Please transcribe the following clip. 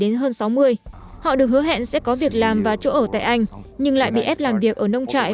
đến hơn sáu mươi họ được hứa hẹn sẽ có việc làm và chỗ ở tại anh nhưng lại bị ép làm việc ở nông trại